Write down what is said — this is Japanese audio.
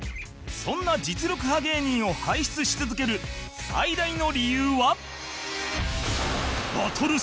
そんな実力派芸人を輩出し続ける最大の理由は